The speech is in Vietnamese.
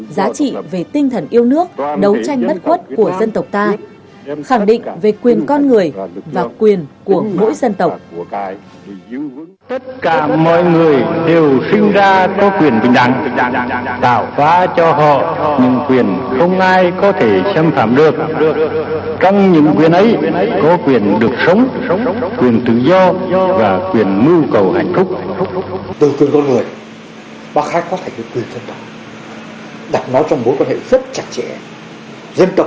bản tuyên ngôn độc lập chỉ có trên một hai trăm linh từ nhưng trong đó kết tinh tất cả giá trị về tinh thần yêu nước đấu tranh bất quất của dân tộc ta khẳng định về quyền con người và quyền của mỗi dân tộc